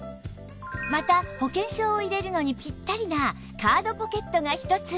また保険証を入れるのにピッタリなカードポケットが１つ